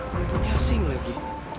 bumbunya asing lagi